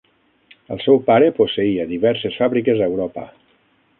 El seu pare posseïa diverses fàbriques a Europa.